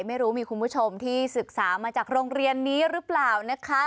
ไม่รู้มีคุณผู้ชมที่ศึกษามาจากโรงเรียนนี้หรือเปล่านะคะ